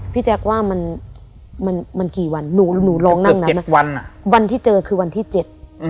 พี่แจ๊กว่ามันมันมันกี่วันหนูหนูร้องนั่งนะวันที่เจอคือวันที่เจ็ด